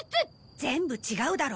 全部違うだろ。